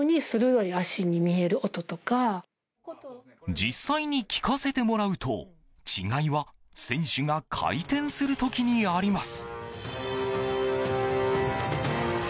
実際に聴かせてもらうと違いは選手が回転する時にあります。